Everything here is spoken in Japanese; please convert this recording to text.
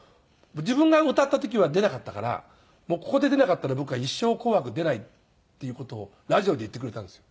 自分が歌った時は出なかったからここで出なかったら僕は一生『紅白』出ないっていう事をラジオで言ってくれたんですよ。